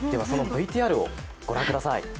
そのＶＴＲをご覧ください